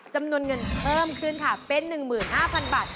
จำนวนเงินเพิ่มขึ้นค่ะเป็น๑๕๐๐๐บาท